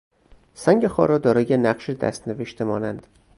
سنگ خارا دارای نقش دستنوشته مانند